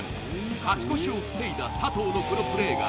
「勝ち越しを防いだ佐藤のこのプレーが」